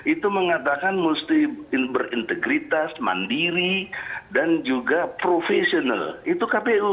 itu mengatakan mesti berintegritas mandiri dan juga profesional itu kpu